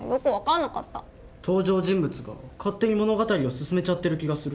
登場人物が勝手に物語を進めちゃってる気がする。